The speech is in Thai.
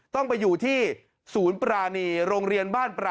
ต้องไปอยู่ที่ศูนย์ปรานีโรงเรียนบ้านปรา